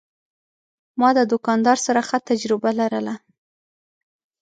ما د دوکاندار سره ښه تجربه لرله.